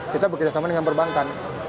kita berkiranya sama dengan perbankan